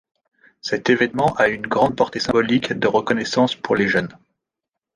Cet événement a eu une grande portée symbolique de reconnaissance pour les jeunes.